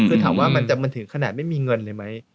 คือถามว่ามันถึงขนาดไม่มีเงินเลยไหม